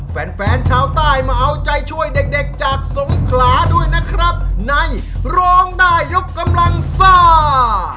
แฟนแฟนชาวใต้มาเอาใจช่วยเด็กเด็กจากสงขลาด้วยนะครับในร้องได้ยกกำลังซ่า